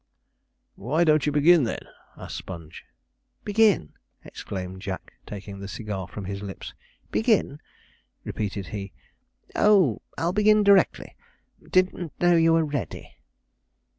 'Why don't you begin then?' asked Sponge. 'Begin!' exclaimed Jack, taking the cigar from his lips; 'begin!' repeated he, 'oh, I'll begin directly didn't know you were ready.'